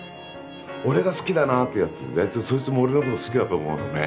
俺が「好きだな」ってやつ大体そいつも俺のこと好きだと思うのね。